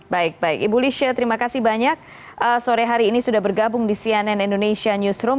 baik baik ibu lisha terima kasih banyak sore hari ini sudah bergabung di cnn indonesia newsroom